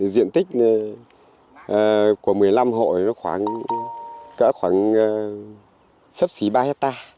diện tích của một mươi năm hộ khoảng sấp xí ba hectare